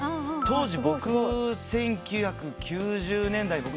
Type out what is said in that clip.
当時１９９０年代。